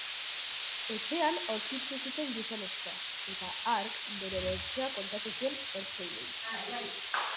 Etxean aurkitu zuten gizonezkoa, eta hark bere bertsioa kontatu zien ertzainei.